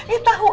ya tahu aja